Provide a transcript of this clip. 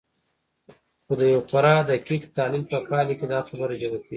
خو د يوه خورا دقيق تحليل په پايله کې دا خبره جوتېږي.